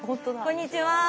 こんにちは。